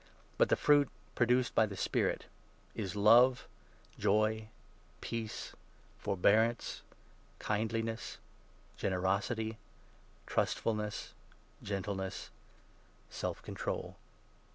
But the fruit produced by the Spirit is love, 22 joy, peace, forbearance, kindliness, generosity, trustfulness, gentleness, self control.